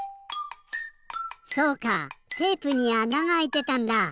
そうかテープにあながあいてたんだ！